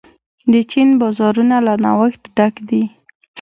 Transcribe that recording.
د چین بازارونه له نوښت ډک دي.